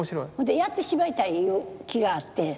やってしまいたいいう気があって。